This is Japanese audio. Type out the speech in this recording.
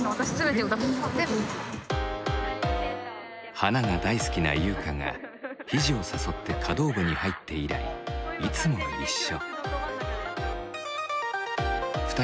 花が大好きなゆうかがひじを誘って華道部に入って以来いつも一緒。